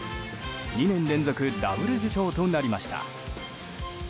２年連続ダブル受賞となりました。